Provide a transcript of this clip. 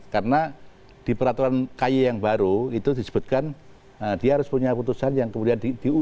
karena di peraturan kay yang baru itu disebutkan dia harus punya putusan yang kemudian dinilai